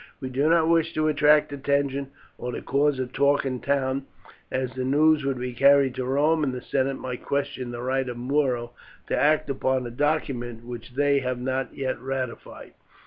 We do not wish to attract attention or to cause a talk in the town, as the news would be carried to Rome, and the senate might question the right of Muro to act upon a document which they have not yet ratified.